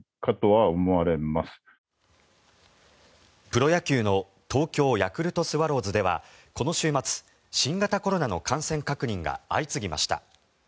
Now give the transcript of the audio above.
プロ野球の東京ヤクルトスワローズではこの週末、新型コロナの感染確認が相次ぎました。